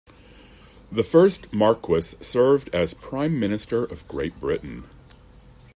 The first Marquess served as Prime Minister of Great Britain.